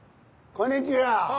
こんにちは！